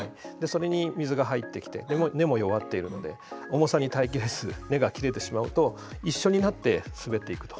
それに水が入ってきて根も弱っているので重さに耐え切れず根が切れてしまうと一緒になって滑っていくと。